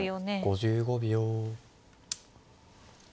５５秒。